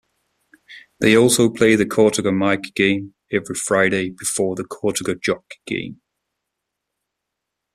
They also play the Cortaca Mic game every Friday before the Cortaca Jug game.